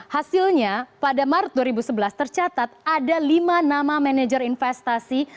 hasilnya pada maret dua ribu sebelas tercatat ada lima nama manajer investasi